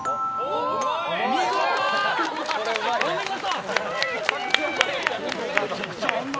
お見事！